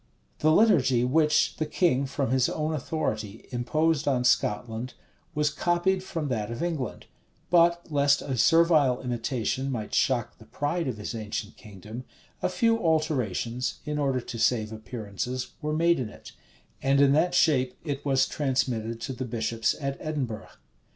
The liturgy which the king, from his own authority, imposed on Scotland, was copied from that of England: but, lest a servile imitation might shock the pride of his ancient kingdom, a few alterations, in order to save appearances, were made in it; and in that shape it was transmitted to the bishops at Edinburgh.